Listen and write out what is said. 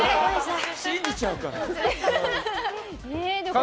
信じちゃうから。